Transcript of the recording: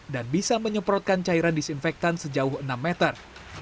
dan bisa menyemprotkan cairan disinfectant sejauh enam meter